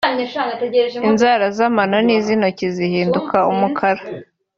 Inzara z’amano n’iz’intoki zihinduka umukara